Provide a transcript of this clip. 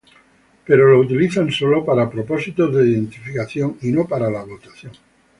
Pero lo utilizan solo para propósitos de identificación y no para la votación.